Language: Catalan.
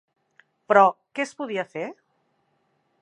Però què podia fer?